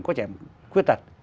có trẻ khuyết tật